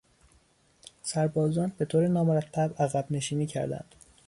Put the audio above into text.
سربازان به طور نامرتب عقب نشینی کردند.